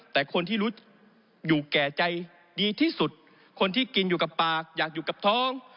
แต่คนที่รู้อยู่แก่ใจดีที่สุดคนที่กินอยู่กับปากอยากอยู่กับท้อง